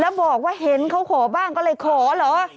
แล้วบอกว่าเห็นเขาขอบ้างก็เลยขอเหรอ